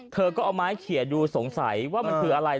เธอก็เอาไม้เขียนดูสงสัยว่ามันคืออะไร